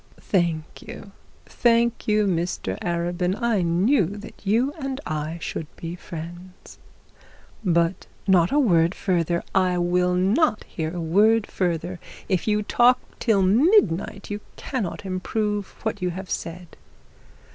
'Thank you, thank you, Mr Arabin. I knew that you and I should be friends.' 'But ' 'Not a word further. I will not hear a word further. If you talk till midnight, you cannot improve what you have said.'